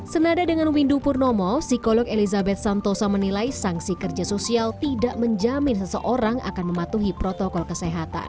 senada dengan windu purnomo psikolog elizabeth santosa menilai sanksi kerja sosial tidak menjamin seseorang akan mematuhi protokol kesehatan